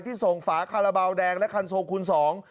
ส่งฝาคาราบาลแดงและคันโซคูณสอง